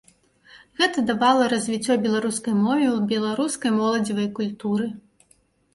Гэта давала развіццё беларускай мове ў беларускай моладзевай культуры.